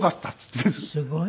すごいね！